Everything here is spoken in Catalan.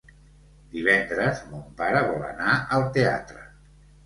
Divendres mon pare vol anar al teatre.